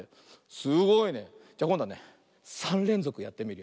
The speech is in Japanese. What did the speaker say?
すごいね。じゃこんどはね３れんぞくやってみるよ。